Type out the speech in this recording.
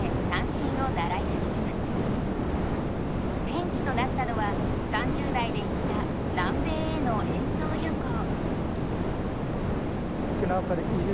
転機となったのは３０代で行った南米への演奏旅行。